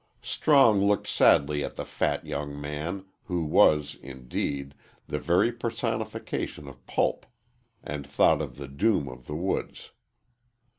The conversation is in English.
Strong looked sadly at the fat young man, who was, indeed, the very personification of pulp, and thought of the doom of the woods.